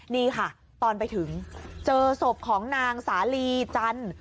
นี่ค่ะตอนไปถึงเจอศพของนางสาลีจันทร์